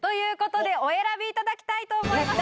お選びいただきたいと思います